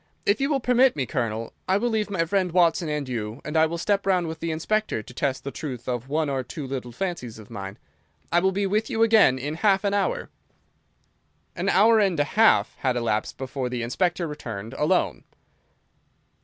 If you will permit me, Colonel, I will leave my friend Watson and you, and I will step round with the Inspector to test the truth of one or two little fancies of mine. I will be with you again in half an hour." An hour and half had elapsed before the Inspector returned alone.